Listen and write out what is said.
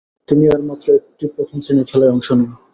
তিনি আর মাত্র একটি প্রথম-শ্রেণীর খেলায় অংশ নেন।